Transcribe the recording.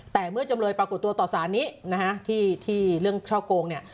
แต่เมื่อจำเลยปรากฏตัวต่อสารนี้นะฮะที่เรื่องช่อโกงเนี่ย